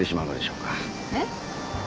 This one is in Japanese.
えっ？